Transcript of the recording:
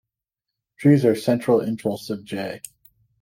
Trees were a central interest of J.